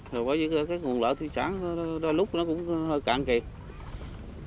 rồi bởi những cái nguồn lợi thị sản đôi lúc nó cũng hơi cạn kiệt